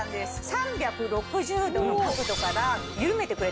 ３６０度の角度から緩めてくれてる。